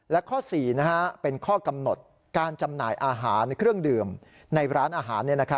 และข้อ๔เป็นข้อกำหนดการจำหน่ายอาหารเครื่องดื่มในร้านอาหาร